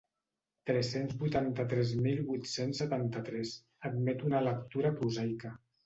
Tres-cents vuitanta-tres mil vuit-cents setanta-tres- admet una lectura prosaica.